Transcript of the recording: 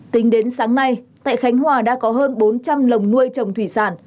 tính đến sáng nay tại khánh hòa đã có hơn bốn trăm linh lồng nuôi trồng thủy sản